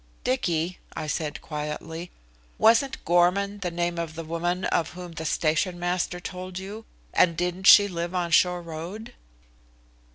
"Dicky," I said quietly, "wasn't Gorman the name of the woman of whom the station master told you, and didn't she live on Shore Road?"